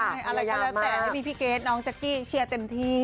อะไรก็แล้วแต่ไม่มีพี่เกรทน้องแจ๊กกี้เชียร์เต็มที่